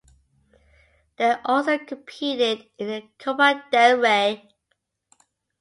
They also competed in the Copa del Rey.